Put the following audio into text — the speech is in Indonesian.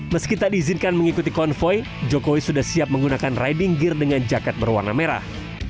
meski tak diizinkan mengikuti konvoy jokowi sudah siap menggunakan riding gear dengan jaket berwarna merah